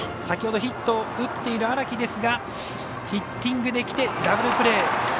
先ほどヒットを打っている荒木ですがヒッティングできてダブルプレー。